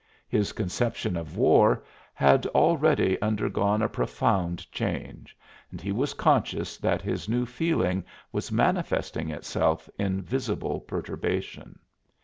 His conception of war had already undergone a profound change, and he was conscious that his new feeling was manifesting itself in visible perturbation.